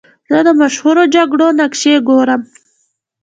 زه د مشهورو جګړو نقشې ګورم.